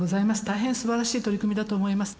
大変すばらしい取り組みだと思います。